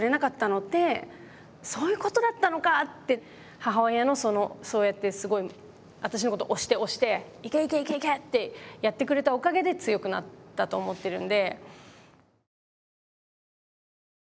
母親のそのそうやってすごい私のこと押して押して「いけいけいけいけ！」ってやってくれたおかげで強くなったと思ってるんで。